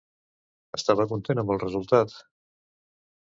Estava content amb el resultat?